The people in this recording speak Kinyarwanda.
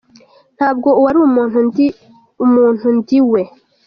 Ntabwo uwo ari umuntu ndi we.